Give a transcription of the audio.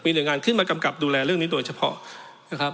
หน่วยงานขึ้นมากำกับดูแลเรื่องนี้โดยเฉพาะนะครับ